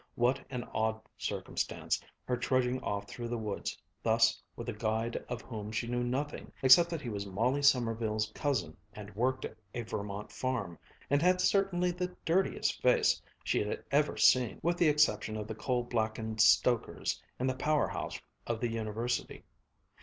What an odd circumstance, her trudging off through the woods thus with a guide of whom she knew nothing except that he was Molly Sommerville's cousin and worked a Vermont farm and had certainly the dirtiest face she had ever seen, with the exception of the coal blackened stokers in the power house of the University.